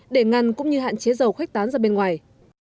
để ngăn cũng như hạn chế dầu khuếch tán ra bên ngoài